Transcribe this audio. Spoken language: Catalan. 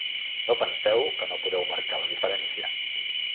No penseu que no podeu marcar la diferència.